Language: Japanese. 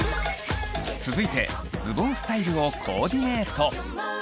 続いてズボンスタイルをコーディネート。